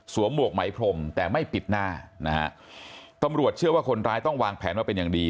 หมวกไหมพรมแต่ไม่ปิดหน้านะฮะตำรวจเชื่อว่าคนร้ายต้องวางแผนมาเป็นอย่างดี